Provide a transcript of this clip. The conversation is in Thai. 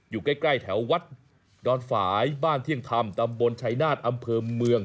อยู่ใกล้แถววัดดอนฝ่ายบ้านเที่ยงธรรมตำบลชายนาฏอำเภอเมือง